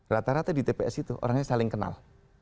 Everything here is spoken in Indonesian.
rata rata di tps itu orangnya saling kenal